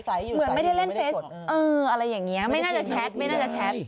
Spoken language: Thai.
เหมือนไม่ได้เล่นเฟสเอออะไรอย่างนี้ไม่น่าจะแชท